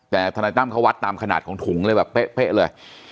แต่ทนายตั้มเขาวัดตามขนาดของถุงเลยแบบเป๊ะเลย